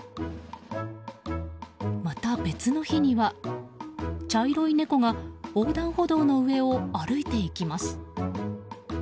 また別の日には茶色い猫が横断歩道の上を歩いていきます。